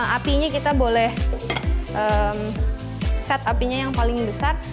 apinya kita boleh set apinya yang paling besar